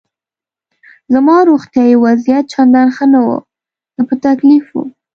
زما روغتیایي وضعیت چندان ښه نه و، زه په تکلیف وم.